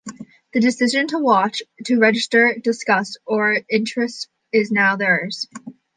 The decision to watch, to register disgust or interest is now theirs.